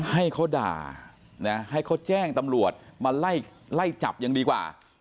ให้เขาด่านะให้เขาแจ้งตำรวจมาไล่จับยังดีกว่า